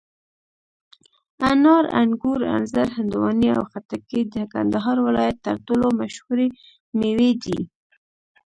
انار، انګور، انځر، هندواڼې او خټکي د کندهار ولایت تر ټولو مشهوري مېوې دي.